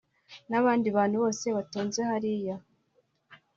n’abandi bantu bose batonze hariya